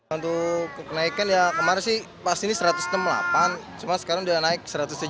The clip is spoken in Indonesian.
untuk kenaikan ya kemarin sih pas ini satu ratus enam puluh delapan cuma sekarang udah naik satu ratus tiga puluh